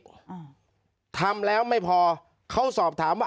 เจ้าหน้าที่แรงงานของไต้หวันบอก